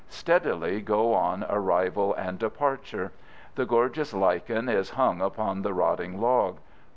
Steadily go on arrival and departure. The gorgeous lichen is hung upon the rotting log.